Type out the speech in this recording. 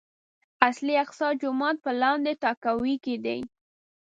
اصلي اقصی جومات په لاندې تاكاوۍ کې دی.